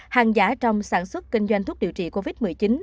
hàng giả trong sản xuất kinh doanh thuốc điều trị covid một mươi chín